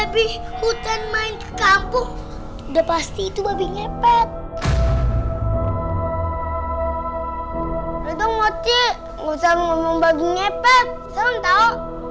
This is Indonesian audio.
lidung ngocik gausah ngomong bagi ngepet sen tau